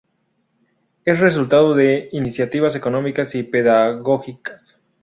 Es resultado de iniciativas económicas y pedagógicas.